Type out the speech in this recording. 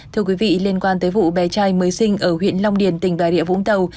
thưa quý vị liên quan tới vụ bé trai mới sinh ở huyện long điền tỉnh bà rịa vũng tàu